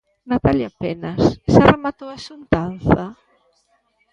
Natalia Penas, xa rematou a xuntanza?